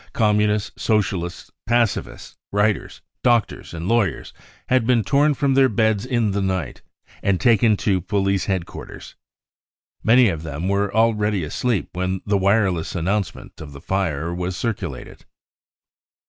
Communists, Socialists, pacifists, writers, 70 BROWN BOOK OF THE HITLER TERROR doctors sfnd lawyers had been tom from their beds in the r night and taken to police headquarters. Many of them, were already asleep when the wireless announcement of the fire was circulated.